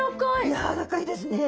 やわらかいですね。